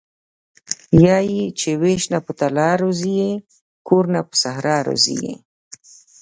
وايي چې وېش نه په تالا راضي یې کور نه په صحرا راضي یې..